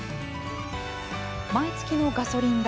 毎月のガソリン代